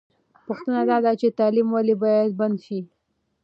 پوښتنه دا ده چې تعلیم ولې باید بند سي؟